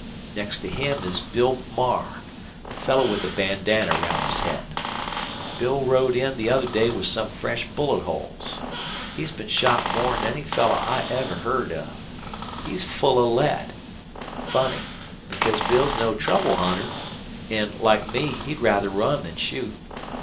Next to him is Bill Marr the feller with the bandana round his head. Bill rode in the other day with some fresh bullet holes. He's been shot more'n any feller I ever heard of. He's full of lead. Funny, because Bill's no troublehunter, an', like me, he'd rather run than shoot.